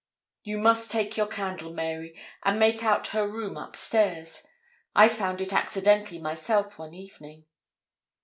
'You must take your candle, Mary, and make out her room, upstairs; I found it accidentally myself one evening.'